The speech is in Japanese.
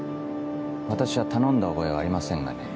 私は頼んだ覚えはありませんがね。